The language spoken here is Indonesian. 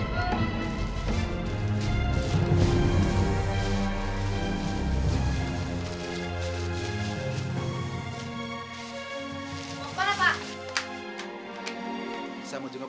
saya mau jembat bapak